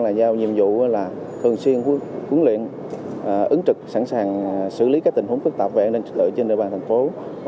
là nhau nhiệm vụ là thường xuyên huấn luyện ứng trực sẵn sàng xử lý các tình huống phức tạp về an ninh trực tự trên địa bàn tp hcm